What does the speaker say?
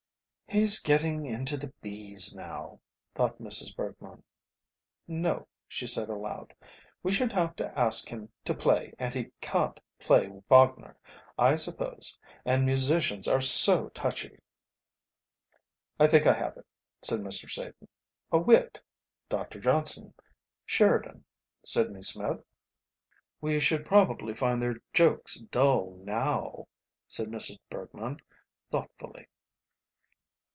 "He's getting into the B's now," thought Mrs. Bergmann. "No," she added aloud, "we should have to ask him to play, and he can't play Wagner, I suppose, and musicians are so touchy." "I think I have it," said Mr. Satan, "a wit: Dr. Johnson, Sheridan, Sidney Smith?" "We should probably find their jokes dull now," said Mrs. Bergmann, thoughtfully.